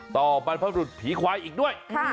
บรรพบรุษผีควายอีกด้วย